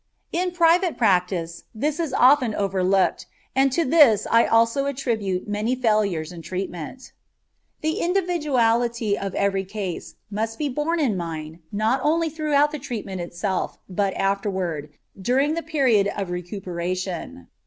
In private practice this is often overlooked, and to this I also attribute many failures in treatment. The individuality of every case must be borne in mind not only throughout the treatment itself, but afterward, during the period of recuperation.